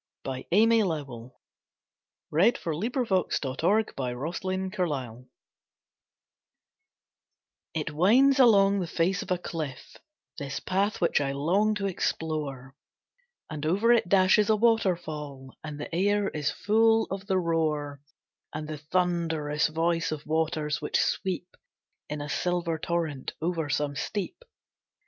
Joy! With the vigorous earth I am one. A Coloured Print by Shokei It winds along the face of a cliff This path which I long to explore, And over it dashes a waterfall, And the air is full of the roar And the thunderous voice of waters which sweep In a silver torrent over some steep.